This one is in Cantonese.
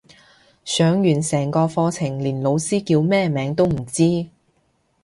上完成個課程連老師叫咩名都唔知